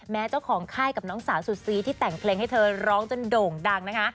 เจ้าของค่ายกับน้องสาวสุดซีที่แต่งเพลงให้เธอร้องจนโด่งดังนะคะ